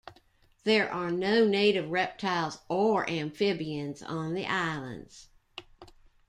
There are no native reptiles or amphibians on the islands.